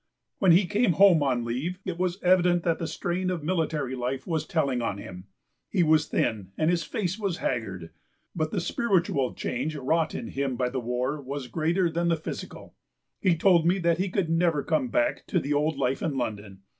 When he came home on leave, it was evident that the strain of military life was telling on him. He was thin and his face was haggard. But the spiritual change wrought in him by the war was greater than the physical. He told me that he could never come back to the old life in London.